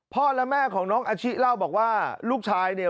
และแม่ของน้องอาชิเล่าบอกว่าลูกชายเนี่ย